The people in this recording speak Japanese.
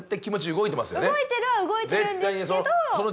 動いてるは動いてるんですけど。